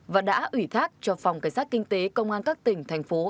và đã ủy thác cho phòng cảnh sát kinh tế công an các tỉnh thành phố